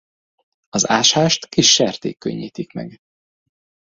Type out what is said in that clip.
Az ásást kis serték könnyítik meg.